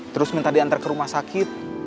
terus minta diatasi